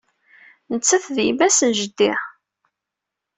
Nettat d yemma-s n jeddi.